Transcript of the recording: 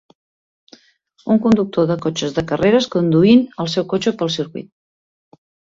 Un conductor de cotxes de carreres conduint el seu cotxe pel circuit.